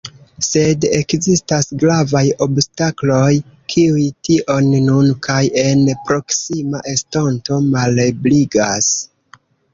Sed ekzistas gravaj obstakloj, kiuj tion nun kaj en proksima estonto malebligas.